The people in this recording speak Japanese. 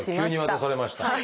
急に渡されました。